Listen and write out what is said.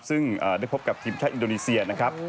ซึ่งได้พบกับทีมชาติอินโดนีเซียนะครับ